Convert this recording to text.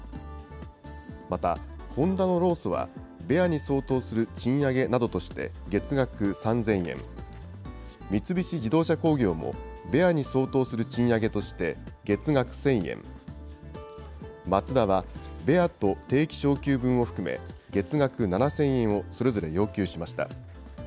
またホンダの労組は、ベアに相当する賃上げなどとして、月額３０００円、三菱自動車工業もベアに相当する賃上げとして月額１０００円、マツダは、ベアと定期昇給分を含め月額７０００円を、それぞれ要求しました。